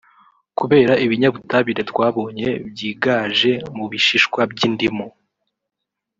Kubera ibinyabutabire twabonye byigaje mu bishishwa by’indimu